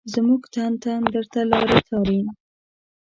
زمونږ تن تن درته لاري څاري